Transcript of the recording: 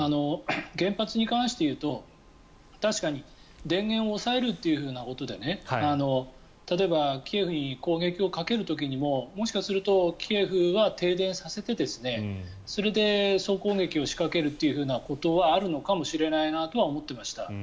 原発に関して言うと確かに電源を押さえるということで例えばキエフに攻撃をかける時にももしかするとキエフは停電させてそれで総攻撃を仕掛けるということはあるのかもしれないなとは思っていました。